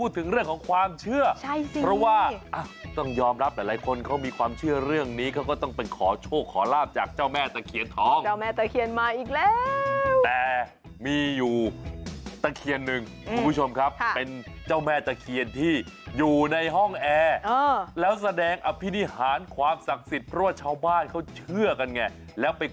ต้องพูดถึงเรื่องของความเชื่อ